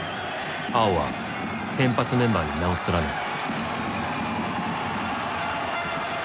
碧は先発メンバーに名を連ねた。